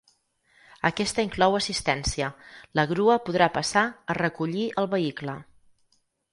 Aquesta inclou assistència, la grua podrà passar a recollir el vehicle.